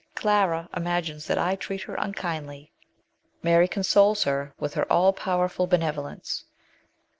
Clara imagines that I treat her unkindly. Mary consoles her with her all powerful benevolence.